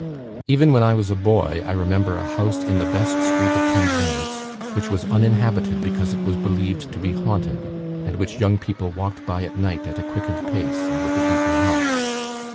Even when I was a boy, I remember a house in the best street of Penzance which was uninhabited because it was believed to be haunted, and which young people walked by at night at a quickened pace, and with a beating heart.